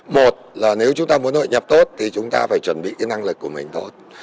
một là nếu chúng ta muốn hội nhập tốt thì chúng ta phải chuẩn bị cái năng lực của mình tốt